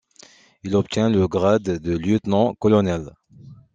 Il obtient le grade de lieutenant-colonel.